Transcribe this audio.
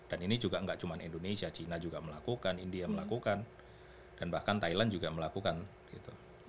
dan ini juga gak cuman indonesia china juga melakukan india melakukan dan bahkan thailand juga melakukan gitu